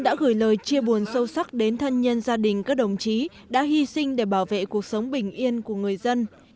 đã gửi lời chia buồn sâu sắc đến thân nhân gia đình các đồng chí đã hy sinh để bảo vệ cuộc sống bình yên của người dân